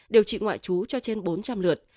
điều trị ngoại trú cho trên bốn trăm linh lượt